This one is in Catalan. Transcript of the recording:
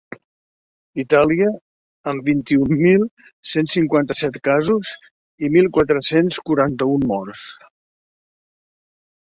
Itàlia, amb vint-i-un mil cent cinquanta-set casos i mil quatre-cents quaranta-un morts.